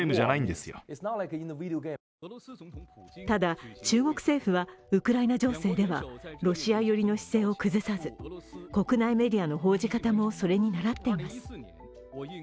ただ、中国政府はウクライナ情勢ではロシア寄りの姿勢を崩さず国内メディアの報じ方もそれにならっています。